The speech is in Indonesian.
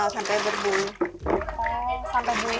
sampai berbuih sampai buih